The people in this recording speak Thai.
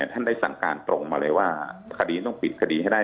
ท่านได้สั่งการตรงมาเลยว่าคดีต้องปิดคดีให้ได้